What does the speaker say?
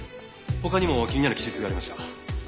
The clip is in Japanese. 他にも気になる記述がありました。